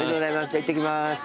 じゃいってきます。